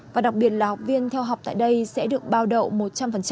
và đặc biệt là học viên theo học tại đây sẽ được bao đậu một trăm linh